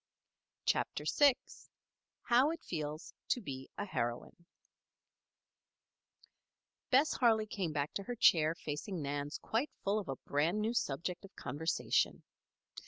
CHAPTER VI HOW IT FEELS TO BE A HEROINE Bess Harley came back to her chair facing Nan's quite full of a brand new subject of conversation.